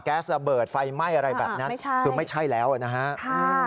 แก๊สอเบิดไฟไหม้อะไรแบบนั้นคือไม่ใช่แล้วนะครับ